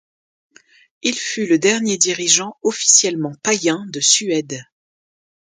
Il fut le dernier dirigeant officiellement païen de Suède.